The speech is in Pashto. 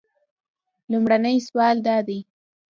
لومړنی سوال دا دی.